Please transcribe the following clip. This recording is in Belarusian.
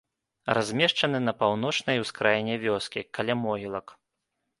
Размешчаны на паўночнай ускраіне вёскі, каля могілак.